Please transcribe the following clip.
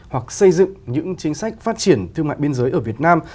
hoặc xây dựng những chính sách phát triển thương mại biên giới ở việt nam